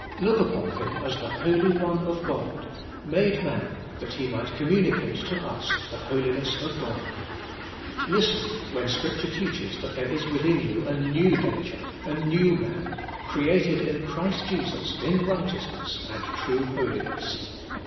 Look upon Him as the Holy One of God, made man that He might communicate to us the holiness of God. Listen when Scripture teaches that there is within you a new nature, a new man, created in Christ Jesus in righteousness and true holiness.